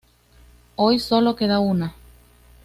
Hoy sólo queda una.